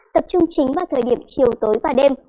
tập trung chính vào thời điểm chiều tối và đêm